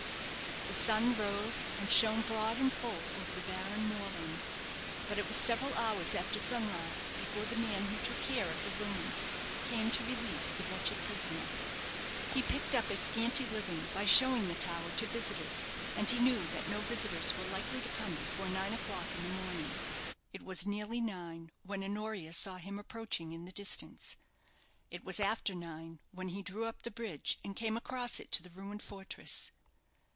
The sun rose, and shone broad and full over the barren moorland; but it was several hours after sunrise before the man who took care of the ruins came to release the wretched prisoner. He picked up a scanty living by showing the tower to visitors, and he knew that no visitors were likely to come before nine o'clock in the morning. It was nearly nine when Honoria saw him approaching in the distance. It was after nine when he drew up the bridge, and came across it to the ruined fortress.